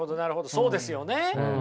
そうですよね。